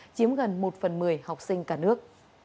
chiếm gần một phần một mươi học sinh cả nước